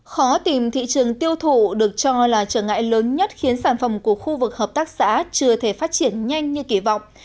khó tìm thị trường tiêu thụ được cho là trở ngại lớn nhất khiến sản phẩm của khu vực hợp tác xã chưa thể phát triển nhanh như kỳ vọng